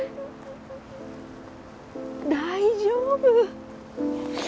大丈夫。